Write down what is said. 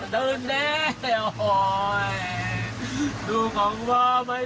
วันนี้จะต้องตาย